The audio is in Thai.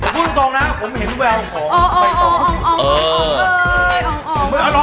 ผมพูดปลูกตรงนะผมเห็นทุกเป็นอย่างไปอีกตรง